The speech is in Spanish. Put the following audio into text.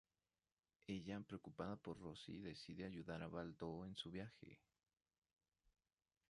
Ella, preocupada por Rosy, decide ayudar a Balto en su viaje.